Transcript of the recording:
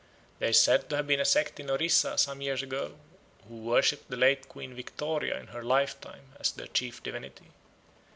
There is said to have been a sect in Orissa some years ago who worshipped the late Queen Victoria in her lifetime as their chief divinity.